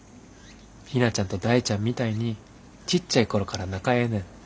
陽菜ちゃんと大ちゃんみたいにちっちゃい頃から仲ええねん。